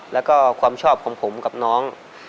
แล้วก็ความชอบของผมกับน้อง